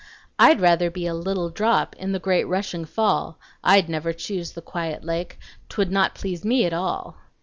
"I'd rather be a little drop In the great rushing fall; I'd never choose the quiet lake; 'T would not please me at all."